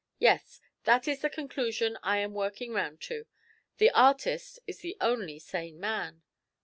Yes, that is the conclusion I am working round to. The artist is the only sane man.